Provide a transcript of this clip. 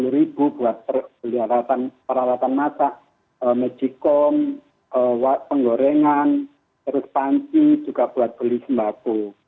rp lima puluh buat peralatan masak mejikom penggorengan terus panti juga buat beli sembako